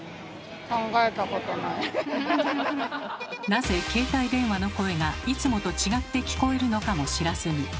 なぜ携帯電話の声がいつもと違って聞こえるのかも知らずに。